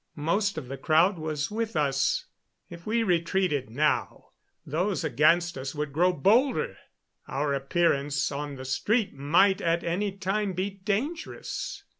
Most of the crowd was with us. If we retreated now, those against us would grow bolder our appearance on the street might at any time be dangerous.